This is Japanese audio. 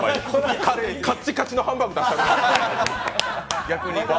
カッチカチのハンバーグ出したる。